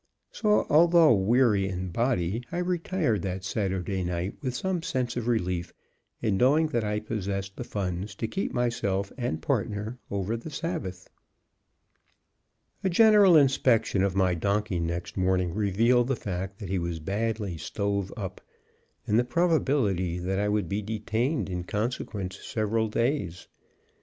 So, although weary in body, I retired that Saturday night with some sense of relief in knowing I possessed the funds to keep myself and partner over the Sabbath. A general inspection of my donkey next morning revealed the fact that he was badly "stove up," and the probability that I would be detained in consequence several days.